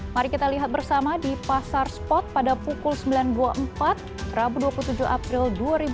mari kita lihat bersama di pasar spot pada pukul sembilan dua puluh empat rabu dua puluh tujuh april dua ribu dua puluh